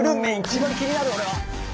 一番気になる俺は。